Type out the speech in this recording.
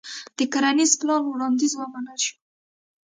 د کرنيز پلان وړانديز ومنل شو.